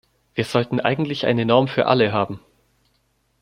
Wir sollten eigentlich eine Norm für alle haben.